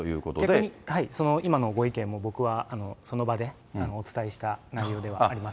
逆に今のご意見も僕はその場でお伝えした内容ではあります。